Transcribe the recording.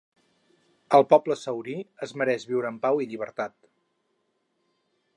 El poble sahrauí es mereix viure en pau i llibertat.